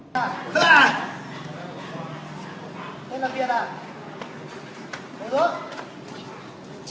nên làm việc ạ